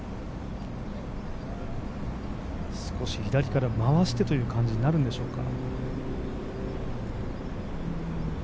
少し左から回してという感じになるんでしょうか。